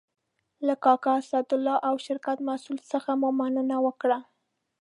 له کاکا اسدالله او شرکت مسئول څخه مو مننه وکړه.